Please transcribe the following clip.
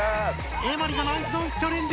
エマリがナイスダンスチャレンジ！